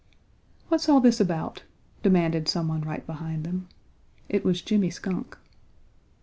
"What's all this about?" demanded some one right behind them. It was Jimmy Skunk.